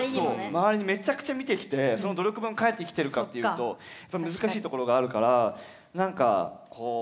周りにめっちゃくちゃ見てきてその努力分返ってきてるかっていうと難しいところがあるからなんかこうあ。